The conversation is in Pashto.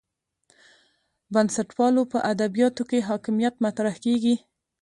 بنسټپالو په ادبیاتو کې حاکمیت مطرح کېږي.